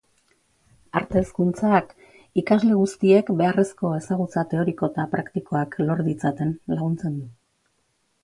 Arte hezkuntzak ikasle guztiek beharrezko ezagutza teoriko eta praktikoak lor ditzaten laguntzen du.